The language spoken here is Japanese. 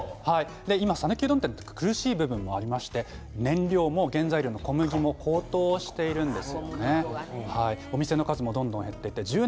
今さぬきうどん店って苦しい部分もありまして燃料も原材料も小麦も高騰しているんです。